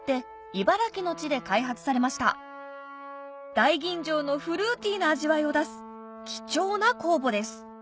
大吟醸のフルーティーな味わいを出す貴重な酵母です